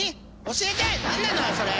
教えて何なのよそれ！